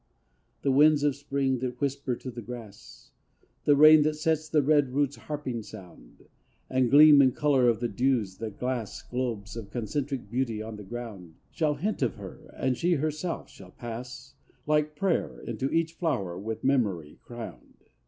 The winds of spring, that whisper to the grass; The rain, that sets the red roots harping; sound, And gleam and color of the dews that glass Globes of concentric beauty on the ground; Shall hint of her; and she herself shall pass, Like prayer, into each flower with memory crowned.